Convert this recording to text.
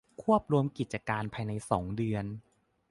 ควบรวมกิจการภายในสองเดือน